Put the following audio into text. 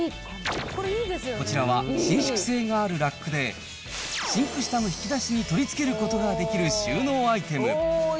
こちらは伸縮性があるラックで、シンク下の引き出しに取り付けることができる収納アイテム。